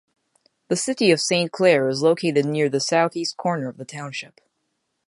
The city of Saint Clair is located near the southeast corner of the township.